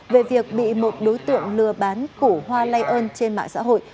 về việc bị một đối tượng lừa bán củ hoa lay ơn trên mạng xã hội